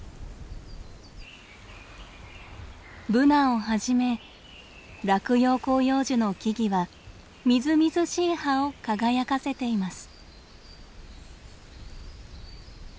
ブナをはじめ落葉広葉樹の木々はみずみずしい葉を輝かせています。